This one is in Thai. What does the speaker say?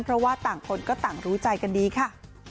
เพราะว่าต่างคนก็ต่างรู้ใจกันดีค่ะ